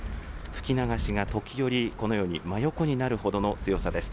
吹き流しが時折、このように真横になるほどの強さです。